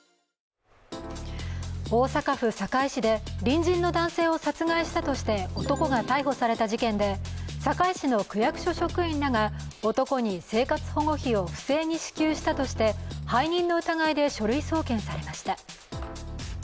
大阪府堺市で隣人の男性を殺害したとして男が逮捕された事件で堺市の区役所職員らが男に生活保護費を不正に支給したとして背任の疑いで書類送検されました。